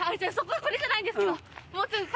これじゃないんですけど。